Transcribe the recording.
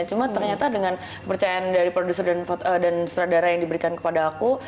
cuma ternyata dengan percayaan dari produser dan sutradara yang diberikan kepada aku